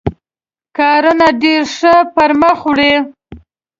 کارونه ډېر ښه پر مخ وړي.